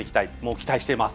期待しています。